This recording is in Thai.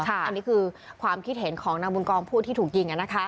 อันนี้คือความคิดเห็นของนางบุญกองผู้ที่ถูกยิง